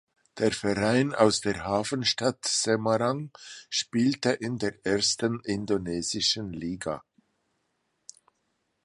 Der Verein aus der Hafenstadt Semarang spielte in der ersten indonesischen Liga.